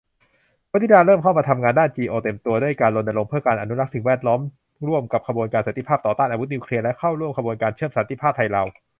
วนิดาเริ่มเข้ามาทำงานด้านเอ็นจีโอเต็มตัว ด้วยการรณรงค์เพื่อการอนุรักษ์สิ่งแวดล้อมร่วมกับขบวนการสันติภาพต่อต้าน อาวุธนิวเคลียร์ และเข้าร่วมขบวนการเชื่อมสันติภาพไทยลาว